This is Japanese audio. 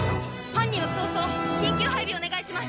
犯人は逃走緊急配備お願いします！